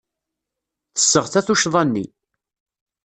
Tesseɣta tuccḍa-nni.